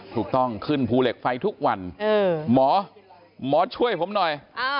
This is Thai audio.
ถูกต้องขึ้นภูเหล็กไฟทุกวันหมอหมอช่วยผมหน่อย